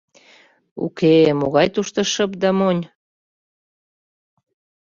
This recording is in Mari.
— Уке-е, могай тушто шып да монь.